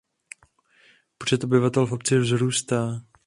Počet obyvatel v obci vzrůstá.